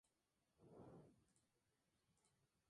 El colorido es rojo, ocre y azul.